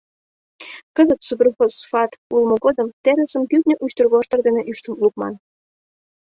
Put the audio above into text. Кызыт, суперфосфат улмо годым, терысым кӱртньӧ ӱштервоштыр дене ӱштын лукман.